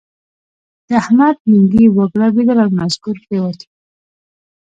د احمد لېنګي وګړبېدل او نسکور پرېوت.